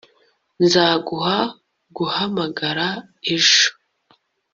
Nzaguha guhamagara ejo